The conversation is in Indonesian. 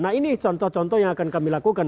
nah ini contoh contoh yang akan kami lakukan